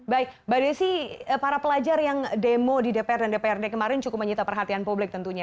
baik mbak desi para pelajar yang demo di dpr dan dprd kemarin cukup menyita perhatian publik tentunya